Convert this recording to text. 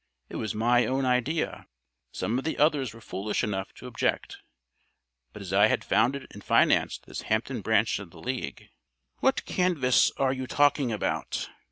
It was my own idea. Some of the others were foolish enough to object, but as I had founded and financed this Hampton branch of the League " "What 'canvass' are you talking about?"